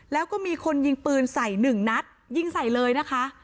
แล้วก็มีคนยิงปืนใส่หนึ่งนัดยิงใส่เลยนะคะ